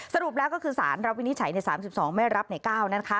สรุปแล้วก็คือสารรับวินิจฉัยใน๓๒ไม่รับใน๙นะคะ